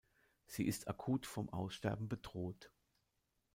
Sie ist akut vom Aussterben bedroht.